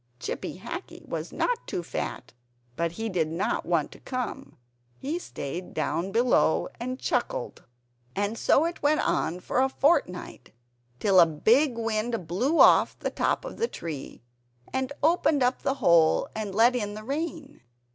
Chippy Hackee was not too fat, but he did not want to come; he stayed down below and chuckled. And so it went on for a fort night; till a big wind blew off the top of the tree, and opened up the hole and let in the rain.